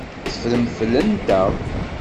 Teffrem fell-anteɣ.